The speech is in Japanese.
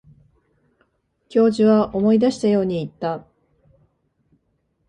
教授は思い出したように言った。